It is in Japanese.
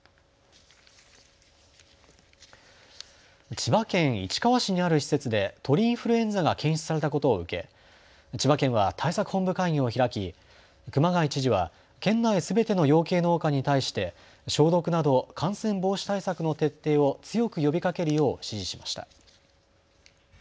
千葉県市川市にある施設で鳥インフルエンザが検出されたことを受け千葉県は対策本部会議を開き熊谷知事は県内すべての養鶏農家に対して消毒など感染防止対策の徹底を強く呼びかけるよう指示しました。